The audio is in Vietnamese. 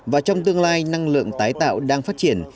và trong tương lai năng lượng tái tạo đang phát triển